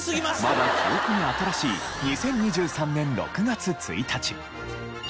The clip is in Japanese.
まだ記憶に新しい２０２３年６月１日。